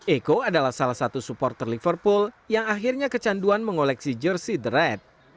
eko adalah salah satu supporter liverpool yang akhirnya kecanduan mengoleksi jersey the red